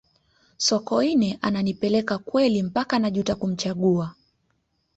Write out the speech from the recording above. sokoine ananipeleka kweli mpaka najuta kumchagua